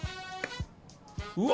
うわ！